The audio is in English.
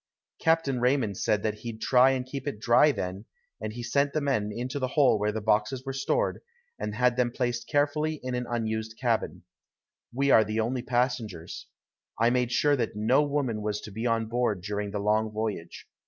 Captain Raymond said that he'd try and keep it dry then, and he sent men into the hole where the boxes were stored, and had them placed carefully in an unused cabin. We are the only passengers. I made sure that no woman was to be on board during the long voyage.